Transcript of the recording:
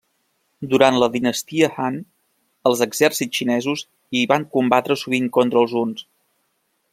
Durant la dinastia Han, els exèrcits xinesos hi van combatre sovint contra els huns.